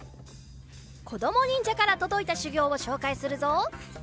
こどもにんじゃからとどいたしゅぎょうをしょうかいするぞ。